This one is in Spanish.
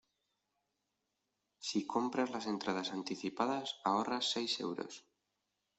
Si compras las entradas anticipadas ahorras seis euros.